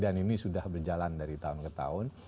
dan ini sudah berjalan dari tahun ke tahun